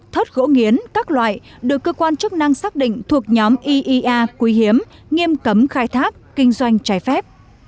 hai mươi một thớt gỗ nghiến các loại được cơ quan chức năng xác định thuộc nhóm iea quy hiếm nghiêm cấm khai thác kinh doanh trái phép